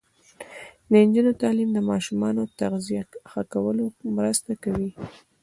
د نجونو تعلیم د ماشومانو تغذیه ښه کولو مرسته کوي.